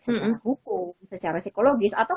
secara hukum secara psikologis atau